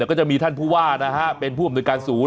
ก็จะมีท่านผู้ว่านะฮะเป็นผู้อำนวยการศูน